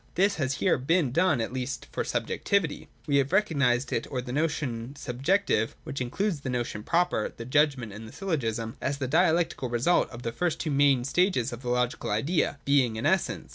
This has here been done — at least for subjectivity. We have recognised it, or the notion subjective (which includes the notion proper, the judgment, and the syllogism) as the dialectical result of the first two main stages of the Logical Idea, Being and Essence.